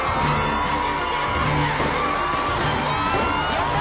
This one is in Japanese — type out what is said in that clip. やった！